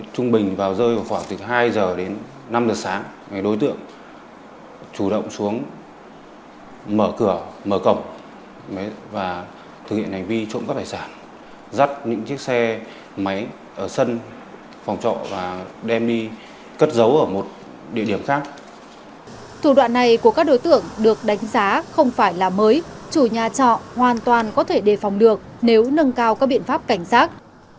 thủ đoạn này của các đối tượng được đánh giá không phải là mới chủ nhà trọ hoàn toàn có thể đề phòng được nếu nâng cao các biện pháp cảnh sát